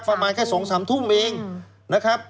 ประมาณแค่๒๓ทุ่มเองนะครับ